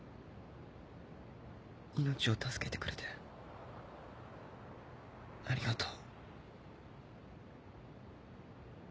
命を助けてくれてありがとう。